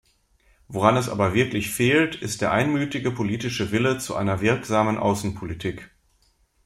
Woran es aber wirklich fehlt, ist der einmütige politische Wille zu einer wirksamen Außenpolitik.